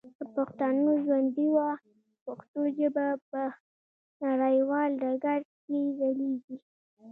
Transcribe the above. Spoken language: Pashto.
که پښتانه ژوندي وه ، پښتو ژبه به په نړیوال ډګر کي ځلیږي.